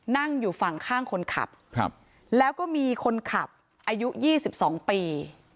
นั่งอยู่ฝั่งข้างคนขับแล้วก็มีคนขับอายุ๒๒ปี